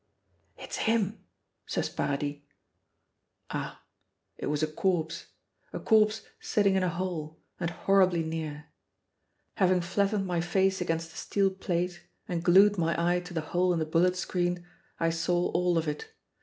"It's him," says Paradis. Ah! It was a corpse, a corpse sitting in a hole, and horribly near Having flattened my face against the steel plate and glued my eye to the hole in the bullet screen, I saw all of it.